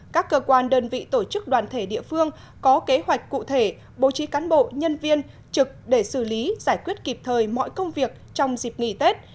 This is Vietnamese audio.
các cơ quan đơn vị tổ chức đoàn thể địa phương có kế hoạch cụ thể bố trí cán bộ nhân viên trực để xử lý giải quyết kịp thời mọi công việc trong dịp nghỉ tết